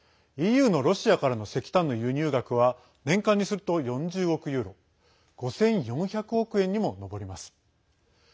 ＥＵのロシアからの石炭の輸入額は年間にすると４０億ユーロ５４００億円にも上ります。